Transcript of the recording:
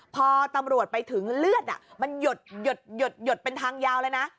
พอตำรวจไปถึงเลือดมันหยดเป็นทางยาวเลยนะ